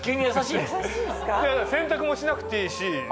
洗濯もしなくていいし。